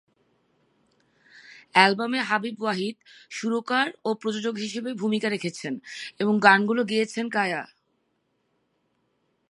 অ্যালবামে হাবিব ওয়াহিদ সুরকার ও প্রযোজক হিসাবে ভূমিকা রেখেছেন এবং গানগুলো গেয়েছেন কায়া।